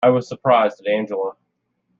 I was surprised at Angela.